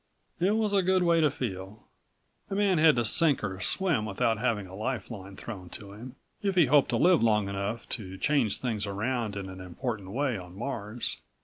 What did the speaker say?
It was a good way to feel. A man had to sink or swim without having a life line thrown to him if he hoped to live long enough to change things around in an important way on Mars.